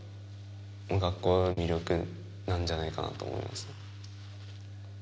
この学校の魅力なんじゃないかなと思います。